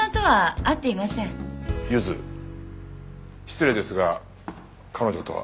失礼ですが彼女とは？